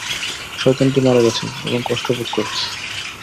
শয়তানটি মারা গেছে এবং কষ্ট ভোগ করেছে।